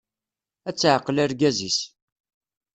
Ad taɛqel argaz-is.